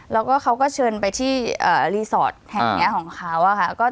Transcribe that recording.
แล้วก็เขาก็เชิญไปที่รีสอร์ทแห่งนี้ของเขาค่ะ